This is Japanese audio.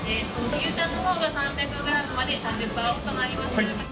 牛タンのほうが３００グラムまで３０％オフとなります。